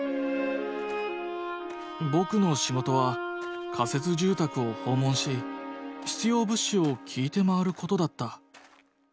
僕の仕事は仮設住宅を訪問し必要物資を聞いて回ることだった。